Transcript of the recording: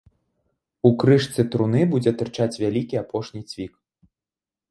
У крышцы труны будзе тырчаць вялікі апошні цвік.